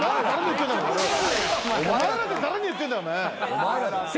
「お前ら」お前らって誰に言ってんだお前。